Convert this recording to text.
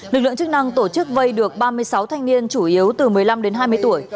lực lượng chức năng tổ chức vây được ba mươi sáu thanh niên chủ yếu từ một mươi năm đến hai mươi tuổi